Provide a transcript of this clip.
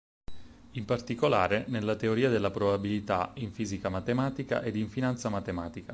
In particolare, nella Teoria della probabilità, in fisica matematica, ed in finanza matematica.